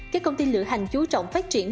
các công ty lựa hành dũ trọng phát triển